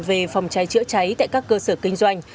về phòng cháy chữa cháy tại các cơ sở kinh doanh